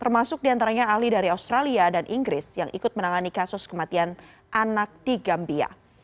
termasuk diantaranya ahli dari australia dan inggris yang ikut menangani kasus kematian anak di gambia